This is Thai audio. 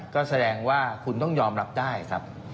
ก็แสดงว่าคุณต้องยอมรับได้ครับ